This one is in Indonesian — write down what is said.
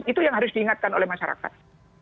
itu yang harus diingatkan oleh masyarakat